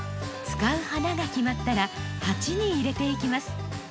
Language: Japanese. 使う花が決まったら鉢に入れていきます。